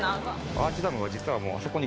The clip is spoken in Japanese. アーチダムは実はあそこに。